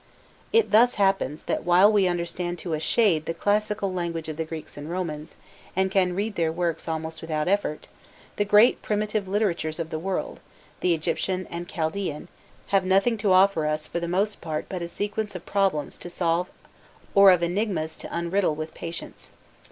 It thus happens that while we understand to a shade the classical language of the Greeks and Romans, and can read their works almost without effort, the great primitive literatures of the world, the Egyptian and Chaldaean, have nothing to offer us for the most part but a sequence of problems to solve or of enigmas to unriddle with patience.